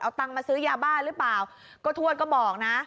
เอาตังค์มาซื้อยาบ้าหรือเปล่าก็ทวดก็บอกนะ